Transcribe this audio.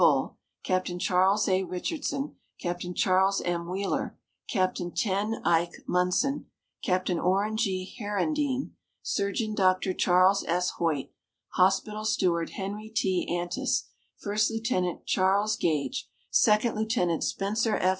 Bull, Captain Charles A. Richardson, Captain Charles M. Wheeler, Captain Ten Eyck Munson, Captain Orin G. Herendeen, Surgeon Dr. Charles S. Hoyt, Hospital Steward Henry T. Antes, First Lieutenant Charles Gage, Second Lieutenant Spencer F.